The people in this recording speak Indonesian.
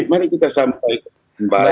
mari kita sampaikan ke pak ahy